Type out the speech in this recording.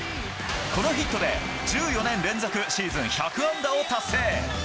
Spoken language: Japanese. このヒットで１４年連続シーズン１００安打を達成。